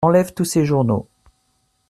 Enlève tous ces journaux.